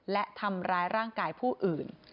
และทำร้ายร่างกายผู้อื่น